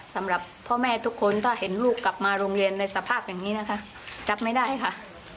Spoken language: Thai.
สำหรับพ่อแม่ทุกคนถ้าเห็นลูกกลับมาโรงเรียนในสภาพอย่างนี้นะคะจับไม่ได้ค่ะ